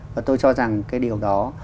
và tôi cho rằng cái điều đó